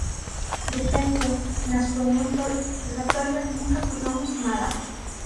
De feito, nas reunións do relatorio nunca acordamos nada.